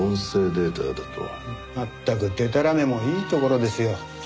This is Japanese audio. まったくでたらめもいいところですよ。